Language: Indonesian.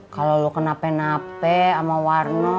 kalau lu kenapain napain sama warno